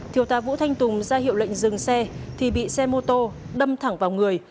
thiếu tá vũ thanh tùng ra hiệu lệnh dừng xe thì bị xe mô tô đâm thẳng vào người